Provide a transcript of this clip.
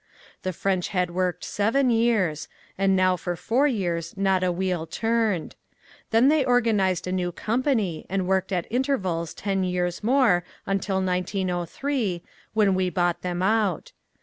The French had worked seven years, and now for four years not a wheel turned. Then they organized a new company and worked at intervals ten years more until 1903, when we bought them out.